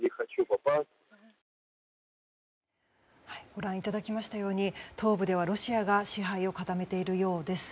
ご覧いただきましたように東部ではロシアが支配を固めているようです。